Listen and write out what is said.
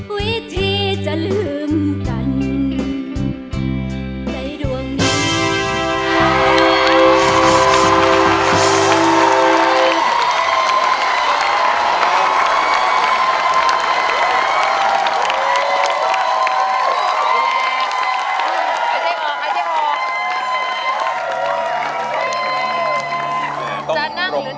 วิธีจะลืมกัน